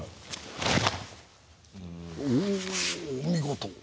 お見事。